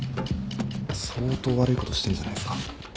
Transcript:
相当悪いことしてんじゃないっすか？